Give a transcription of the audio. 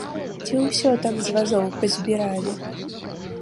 Ці ўсё там з вазоў пазбіралі?